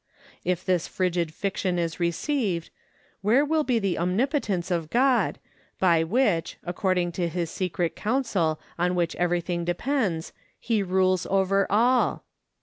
If this frigid fiction is received, where will be the omnipotence of God, by which, according to his secret counsel on which everything depends, he rules over all?